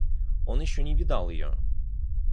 Он еще не видал ее.